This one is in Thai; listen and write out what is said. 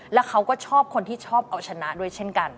แล้วเขาก็ชอบคนที่ชอบเอาชนะด้วยเช่นกัน